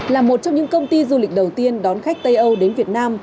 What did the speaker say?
là một trong những công ty du lịch đầu tiên đón khách tây âu đến việt nam